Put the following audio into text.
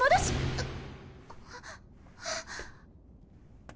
あっ。